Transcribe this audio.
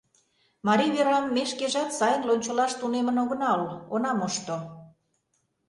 Марий верам ме шкежат сайын лончылаш тунемын огынал, она мошто.